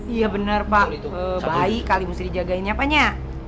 iya benar pak baik kali mesti dijagain apanya